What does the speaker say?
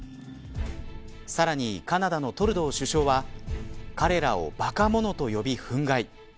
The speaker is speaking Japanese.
さらに、カナダのトルドー首相は彼らを、ばか者と呼び憤慨。